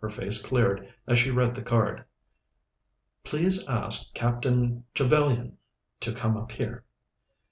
Her face cleared as she read the card. "Please ask Captain Trevellyan to come up here."